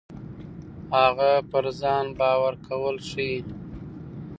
هغه پر ځان باور کول ښيي.